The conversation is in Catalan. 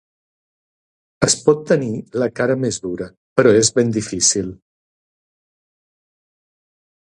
Es pot tenir la cara més dura, però és ben difícil.